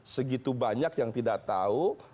segitu banyak yang tidak tahu